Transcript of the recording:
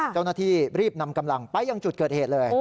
เจ้าหน้าที่รีบนำกำลังไปยังจุดเกิดเหตุเลย